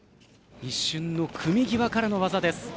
一瞬の組み際からの技です。